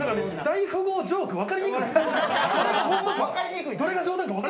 大富豪ジョークわかりにくい。